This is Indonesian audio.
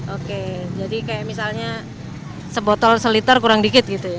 oke jadi kayak misalnya sebotol seliter kurang dikit gitu ya